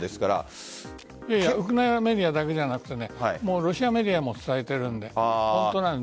ウクライナメディアだけじゃなくてロシアメディアも伝えているので本当なの。